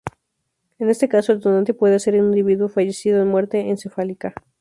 En este caso el donante puede ser un individuo fallecido en muerte encefálica.